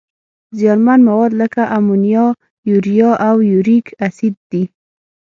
زیانمن مواد لکه امونیا، یوریا او یوریک اسید دي.